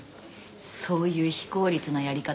そういう非効率なやり方